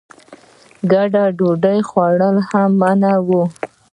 ګډ ډوډۍ خوړل هم منع وو.